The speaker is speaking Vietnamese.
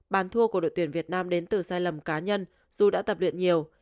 bàn thua của đội tuyển việt nam đến từ sai lầm cá nhân dù đã tập luyện nhiều